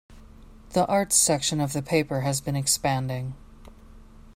The arts section of the paper has been expanding.